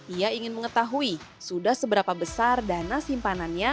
ia ingin mengetahui sudah seberapa besar dana simpanannya